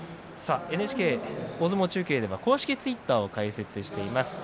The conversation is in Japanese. ＮＨＫ大相撲中継では公式ツイッターを開設しています。